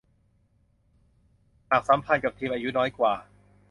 หากสัมพันธ์กับทีมอายุน้อยกว่า